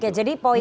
oke jadi poinnya